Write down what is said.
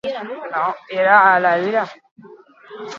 Kalteak eragitea eta desobedientzia delitu larria egitea leporatu diete.